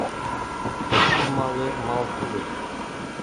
Кеше малы мал түгел